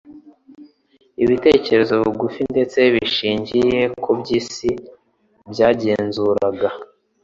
Ibitekerezo bigufi ndetse bishingiye ku by’isi byagenzuraga